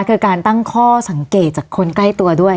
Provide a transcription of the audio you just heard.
คือการตั้งข้อสังเกตจากคนใกล้ตัวด้วย